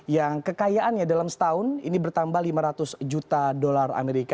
yang kekayaannya dalam setahun ini bertambah lima ratus juta dolar amerika